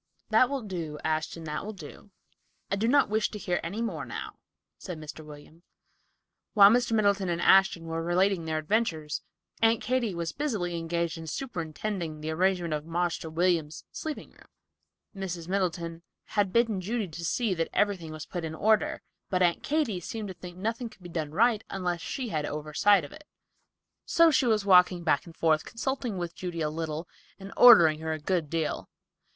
"That will do, Ashton; that will do. I do not wish to hear any more now," said Mr. William. While Mr. Middleton and Ashton were relating their adventures, Aunt Katy was busily engaged in superintending the arrangement of "Marster William's" sleeping room. Mrs. Middleton had bidden Judy to see that everything was put in order, but Aunt Katy seemed to think nothing could be done right unless she had an oversight of it. So she was walking back and forth, consulting with Judy a little and ordering her a good deal.